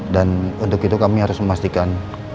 dan untuk itu kami harus memastikan